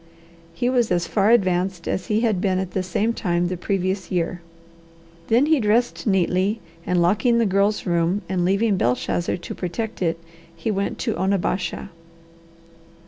He was as far advanced as he had been at the same time the previous year. Then he dressed neatly and locking the Girl's room, and leaving Belshazzar to protect it, he went to Onabasha.